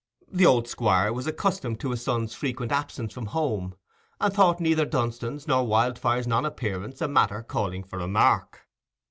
The old Squire was accustomed to his son's frequent absence from home, and thought neither Dunstan's nor Wildfire's non appearance a matter calling for remark.